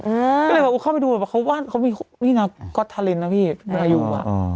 ตอนนะเขาเข้าไปดูเขาว่ามีงอททารินน่ะพี่หรืออยู่ด้วย